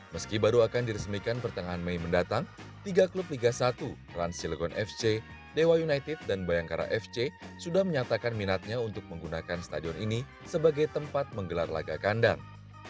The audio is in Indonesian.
meski baru akan diresmikan pertengahan mei mendatang tiga klub liga satu rans cilegon fc dewa united dan bayangkara fc sudah menyatakan minatnya untuk menggunakan stadion ini sebagai tempat menggelar laga kandang